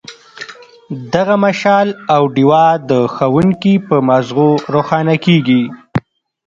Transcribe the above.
دغه مشال او ډیوه د ښوونکي په مازغو روښانه کیږي.